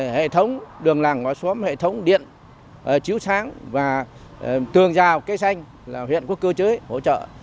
hệ thống đường làng ngõ xóm hệ thống điện chiếu sáng và tường rào cây xanh là huyện có cơ chế hỗ trợ